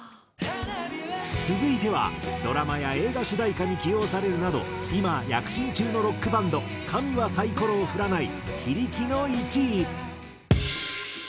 続いてはドラマや映画主題歌に起用されるなど今躍進中のロックバンド神はサイコロを振らない桐木の１位。